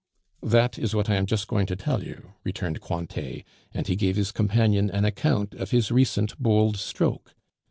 "That is what I am just going to tell you," returned Cointet, and he gave his companion an account of his recent bold stroke.